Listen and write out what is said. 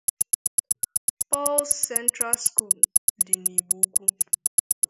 Paul's Central School' dị n'Igboukwu